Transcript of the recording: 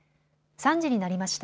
３時になりました。